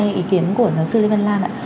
ý kiến của giáo sư lê văn lan ạ